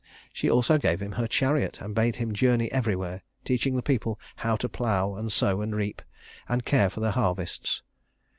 She also gave him her chariot, and bade him journey everywhere, teaching the people how to plow and sow and reap, and care for their harvests.